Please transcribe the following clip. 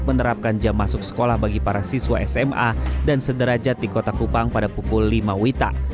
menerapkan jam masuk sekolah bagi para siswa sma dan sederajat di kota kupang pada pukul lima wita